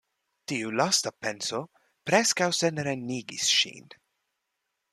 Tiu lasta penso preskaŭ serenigis ŝin.